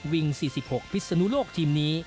วิง๔๖พิศนุโลกทีมนี้